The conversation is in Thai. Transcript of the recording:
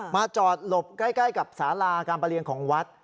มาจอดหลบใกล้กับสาราการประเรียนของวัด